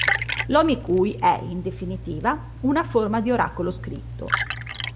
L'omikuji è in definitiva una forma di oracolo scritto.